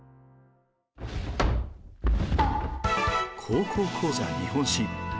「高校講座日本史」。